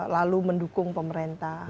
lalu mendukung pemerintah